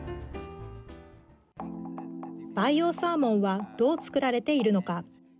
培養サーモンはどう作られているのか。